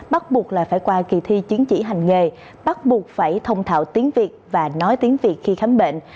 bắt buộc là phải qua kỳ thi chứng chỉ hành nghề bắt buộc phải thông thạo tiếng việt và nói tiếng việt khi khám bệnh